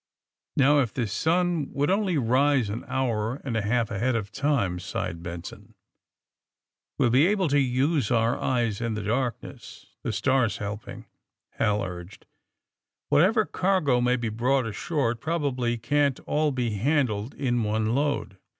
*^ Now, if the sun would only rise an hour and a half ahead of time !'' sighed Benson. '^We'll be able to use our eyes in the dark ness, the stars helping, '' Hal urged. ^^ "Whatever cargo may be brought ashore, it probably can't all be handled in one load.'